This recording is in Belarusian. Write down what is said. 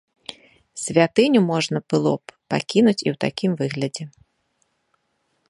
Святыню можна было б пакінуць і ў такім выглядзе.